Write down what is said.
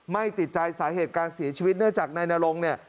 ไม่ติดใจสาเหตุการเสียชีวิตเนื่องจากนายนรงเนี่ย